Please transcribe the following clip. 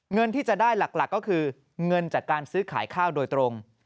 เงินที่จะได้หลักก็คือเงินจากการซื้อขายข้าวโดยตรง